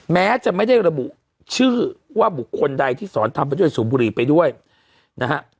แม้จะไม่ได้ระบุชื่อว่าบุคคลใดที่สอนทำไปด้วยสูบบุหรี่ไปด้วยนะฮะ